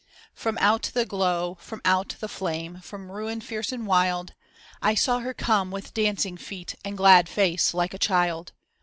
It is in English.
From out the glow, from out the flame, from ruin fierce and wild, I saw her come with dancing feet and glad face like a child.